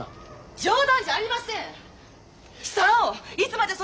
冗談じゃありません！